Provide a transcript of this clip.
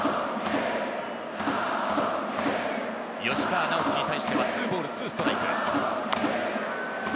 吉川尚輝に対しては２ボール２ストライク。